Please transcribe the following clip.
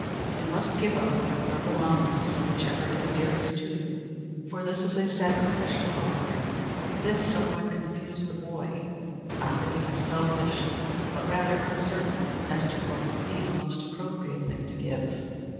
"You must give up one of your belongings whichever is dearest to you for this is to be a sacrificial offering." This somewhat confused the boy; not that he was selfish, but rather uncertain as to what would be the most appropriate thing to give.